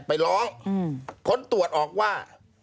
ไปร้องผลตรวจออกว่า